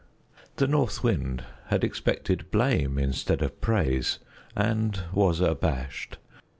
The North Wind had expected blame instead of praise and was abashed.